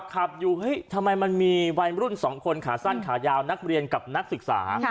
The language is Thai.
ขับอยู่เฮ้ยทำไมมันมีวัยรุ่น๒คนขาสั้นขายาวนักเรียนกับนักศึกษา